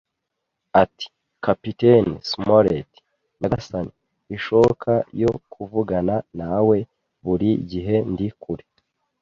Ati: "Kapiteni Smollett, nyagasani, ishoka yo kuvugana nawe". “Buri gihe ndi kuri